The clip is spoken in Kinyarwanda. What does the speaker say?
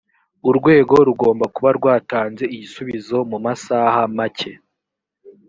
urwego rugomba kuba rwatanze igisubizo mu masaha make